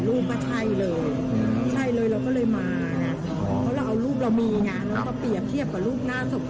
ดูแลจนแฟนพี่ดีหายดีแล้วถึงได้กับอะไรอยู่ด้านนี้มีรูปอะไรโดนได้พูดมี่รื่องเลย